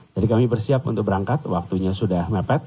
jadi kami bersiap untuk berangkat waktunya sudah mepet